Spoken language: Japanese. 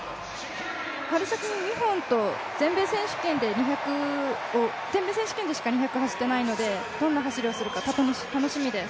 春先に全米選手権でしか２００走っていないので、どんな走りをするか楽しみです。